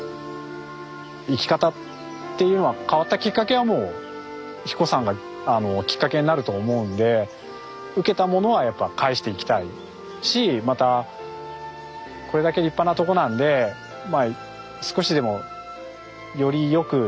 生き方っていうのは変わったきっかけはもう英彦山がきっかけになると思うんで受けたものはやっぱ返していきたいしまたこれだけ立派なとこなんでまあ少しでもよりよくなっていく一助になればいいかなとは思ってますね。